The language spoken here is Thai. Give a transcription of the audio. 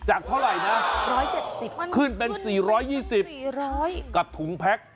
จากเท่าไหร่น่ะร้อยเจ็ดสิบขึ้นเป็นสี่ร้อยยี่สิบกับถุงแพ็ก